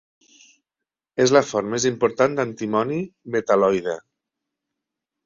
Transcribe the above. És la font més important d'antimoni metal·loide.